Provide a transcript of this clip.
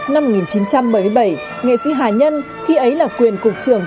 năm một nghìn chín trăm bảy mươi bảy nghệ sĩ hà nhân khi ấy là quyền cục trưởng